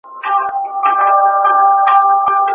هغې خپله ټوله کیسه په ډېر تفصیل سره پاچا ته وویل.